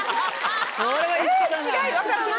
違い分からない？